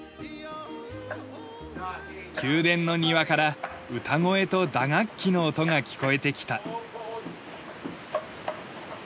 宮殿の庭から歌声と打楽器の音が聞こえてきた。